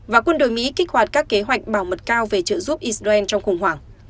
và quân đội mỹ kích hoạt các kế hoạch bảo mật cao về trợ giúp israel trong khủng hoảng